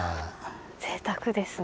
ぜいたくですね。